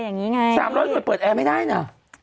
๓๐๐หน่วยเปิดแอร์ไม่ได้นะ